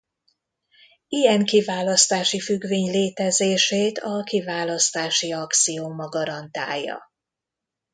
Ilyen kiválasztási függvény létezését a kiválasztási axióma garantálja.